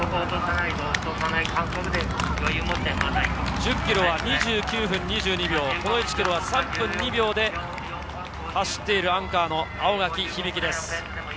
１０ｋｍは２９分２２秒、この１ｋｍは３分２秒で走っているアンカーの青柿響です。